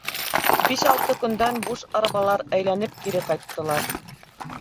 Биш-алты көндән буш арбалар әйләнеп кире ҡайттылар.